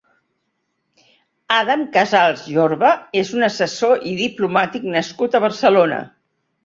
Adam Casals Jorba és un assessor i diplomàtic nascut a Barcelona.